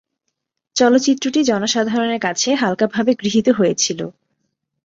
চলচ্চিত্রটি জনসাধারণের কাছে হালকাভাবে গৃহীত হয়েছিল।